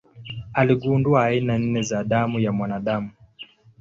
Aligundua aina nne za damu ya mwanadamu.